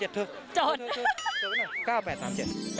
เจาะ